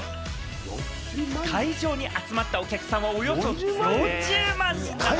会場に集まったお客さんは、およそ４０万人！